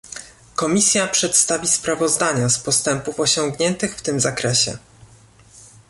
Komisja przedstawi sprawozdania z postępów osiągniętych w tym zakresie